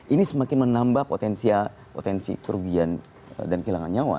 ini semakin menambah potensi kerugian dan kehilangan nyawa